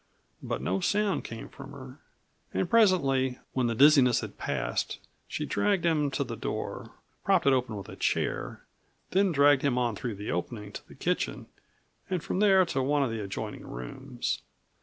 But no sound came from her, and presently when the dizziness had passed, she dragged him to the door, propped it open with a chair, and then dragged him on through the opening to the kitchen, and from there to one of the adjoining rooms.